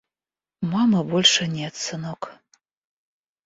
Мамы больше нет, сынок.